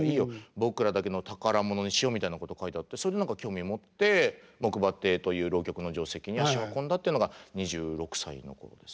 僕らだけの宝物にしよう」みたいなこと書いてあってそれで何か興味持って木馬亭という浪曲の定席に足を運んだっていうのが２６歳の頃です。